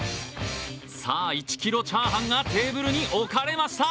さあ、１キロチャーハンがテーブルに置かれました。